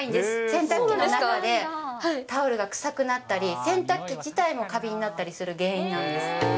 洗濯機の中でタオルが臭くなったり、洗濯機自体もカビになったりする原因なんです。